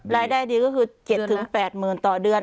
รายได้ดีก็คือ๗๘หมื่นบาทต่อเดือน